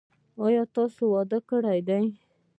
تاسو واده کړی دی؟